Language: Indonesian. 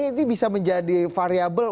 ini bisa menjadi variable